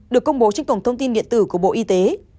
được công bố trên cổng thông tin điện tử của bộ y tế